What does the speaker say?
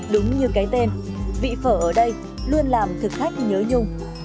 đúng như cái tên vị phở ở đây luôn làm thực khách nhớ nhung